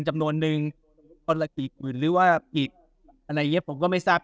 จำนวนนึงหรือว่าติดอันไหล่ไหนเหี้ยผมก็ไม่ทราบ